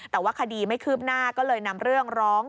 แต่ว่าคดีไม่คืบหน้าก็เลยนำเรื่องร้อง